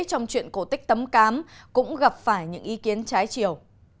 trong chuyện cổ tích tấm cám cũng gặp phải những ý kiến trái chiều